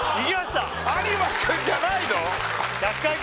有馬君じゃないの？